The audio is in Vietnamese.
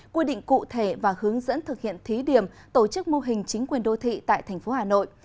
quy định cụ thể và hướng dẫn thực hiện thí điểm tổ chức mô hình chính quyền đô thị tại thành phố hà nội